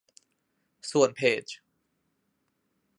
ส่วนเพจ